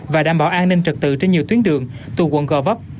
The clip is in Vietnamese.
và đảm bảo an ninh trật tự trên nhiều tuyến đường từ quận gò vấp